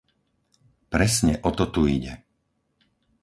Presne o to tu ide.